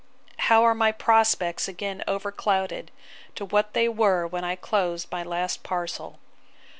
how are my prospects again overclouded, to what they were when I closed my last parcel!